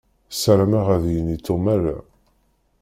Sarameɣ ad d-yini Tom ala.